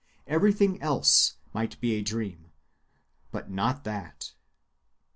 Everything else might be a dream, but not that."